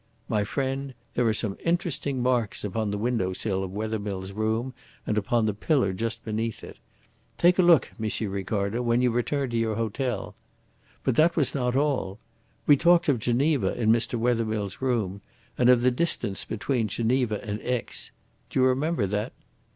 My friend, there are some interesting marks upon the window sill of Wethermill's room and upon the pillar just beneath it. Take a look, M. Ricardo, when you return to your hotel. But that was not all. We talked of Geneva in Mr. Wethermill's room, and of the distance between Geneva and Aix. Do you remember that?"